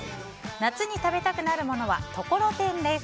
夏に食べたくなるものはところてんです。